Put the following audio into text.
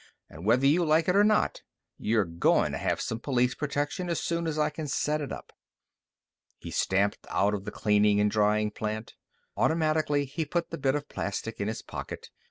An' whether you like it or not, you're goin' to have some police protection as soon as I can set it up." He stamped out of the cleaning and drying plant. Automatically, he put the bit of plastic in his pocket.